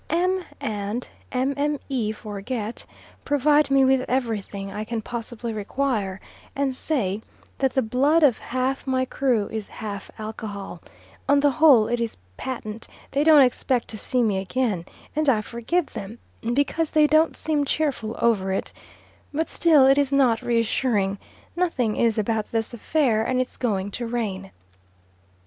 M. and Mme. Forget provide me with everything I can possibly require, and say that the blood of half my crew is half alcohol; on the whole it is patent they don't expect to see me again, and I forgive them, because they don't seem cheerful over it; but still it is not reassuring nothing is about this affair, and it's going to rain.